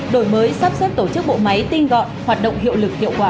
đội mới sắp xếp tổ chức bộ máy tin gọn hoạt động hiệu lực hiệu quả